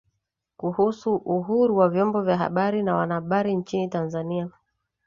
kuhusu uhuru wa vyombo vya habari na wanahabari nchini Tanzania